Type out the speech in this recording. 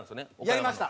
やりました。